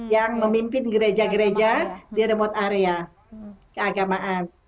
yang memimpin gereja gereja di remote area keagamaan